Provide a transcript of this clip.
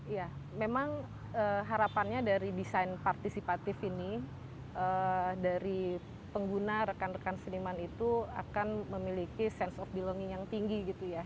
ya memang harapannya dari desain partisipatif ini dari pengguna rekan rekan seniman itu akan memiliki sense of belonging yang tinggi gitu ya